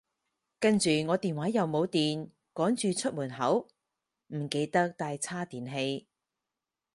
跟住我電話又冇電，趕住出門口，唔記得帶叉電器